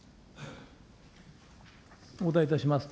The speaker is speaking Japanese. お答えいたします。